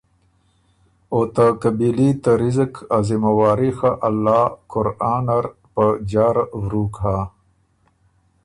او ته قبیلي ته رِزق ا ذمواري خه الله قرآن نر په جهره ورُوک هۀ۔